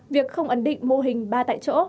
việc không ẩn định mô hình ba tại chỗ